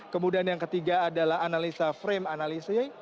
kemudian yang ketiga adalah analisa frame analisa